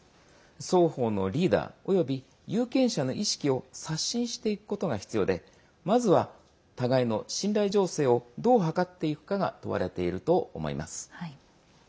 双方のリーダーおよび有権者の意識を刷新していくことが必要でまずは互いの信頼醸成をどう図っていくかが問われていると思います。